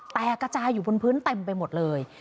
กระจายอยู่บนพื้นเต็มไปหมดเลย